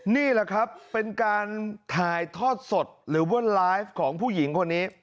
นี่แหละครับเป็นการถ่ายทอดสดหรือว่าไลฟ์ของผู้หญิงคนนี้